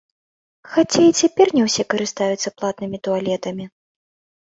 Хаця і цяпер не ўсе карыстаюцца платнымі туалетамі.